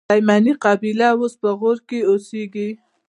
تایمني قبیله اوس په غور کښي اوسېږي.